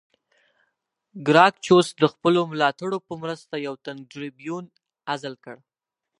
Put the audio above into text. ګراکچوس د خپلو ملاتړو په مرسته یو تن ټربیون عزل کړ